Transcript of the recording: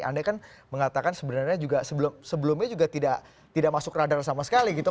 anda kan mengatakan sebenarnya juga sebelumnya juga tidak masuk radar sama sekali gitu